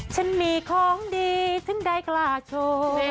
ฉันมีของดีฉันได้กล้าโชว์